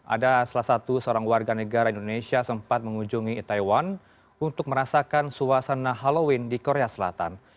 ada salah satu seorang warga negara indonesia sempat mengunjungi taiwan untuk merasakan suasana halloween di korea selatan